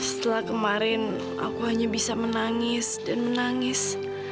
setelah kemarin aku hanya bisa menangis dan menangis